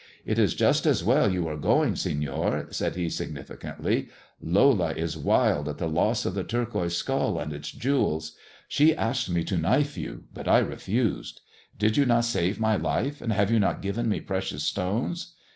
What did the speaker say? " It is just as well you are going, Seftor," said he signifi cantly :*^ Lola is wild at the loss of the turquoise skull and its jewels. She asked me to knife you, but I refused. Did you not save my life, and have you not given me precious stones